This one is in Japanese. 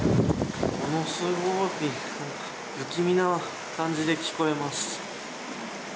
すごい不気味な感じで聞こえます。